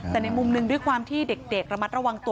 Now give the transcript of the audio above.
แต่ในมุมหนึ่งด้วยความที่เด็กระมัดระวังตัว